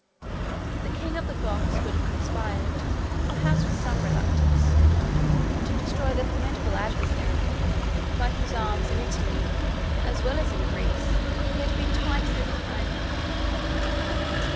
1 The king of the Goths would have conspired, perhaps with some reluctance, to destroy the formidable adversary, by whose arms, in Italy, as well as in Greece, he had been twice overthrown.